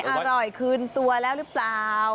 อร่อยคืนตัวแล้วหรือเปล่า